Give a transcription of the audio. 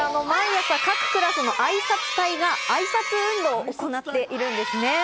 毎朝、各クラスのあいさつ隊があいさつ運動を行っているんですね。